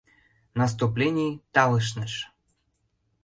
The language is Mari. Наступлений талышныш.